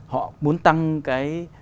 họ muốn tăng cái